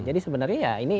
jadi sebenarnya ya ini